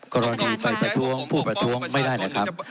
กรณีไปประท้วงผู้ประท้วงไม่ได้นะครับ